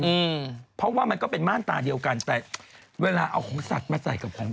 อืมเพราะว่ามันก็เป็นม่านตาเดียวกันแต่เวลาเอาของสัตว์มาใส่กับของ